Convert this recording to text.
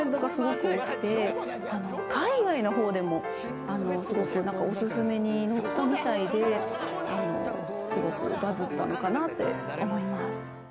海外の方でもおすすめにのったみたいですごくバズったのかなって思います。